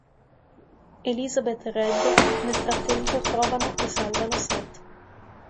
Elizabeth e Red nel frattempo, trovano e salvano Seth.